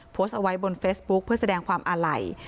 โพสต์เอาไว้บนเฟซบุ๊คเพื่อแสดงความอาลัย